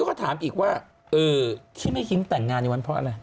แล้วก็ถามอีกว่าที่แม่ยิ้มแต่งงานในวันเพราะอะไร